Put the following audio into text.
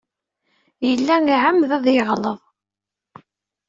Yella iɛemmed ad yeɣleḍ.